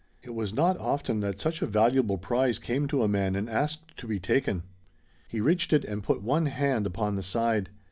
It was not often that such a valuable prize came to a man and asked to be taken. He reached it and put one hand upon the side.